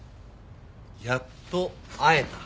やっと会えた。